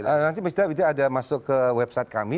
nanti mesti ada masuk ke website kami